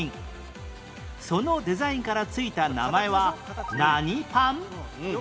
そのデザインから付いた名前は何パン？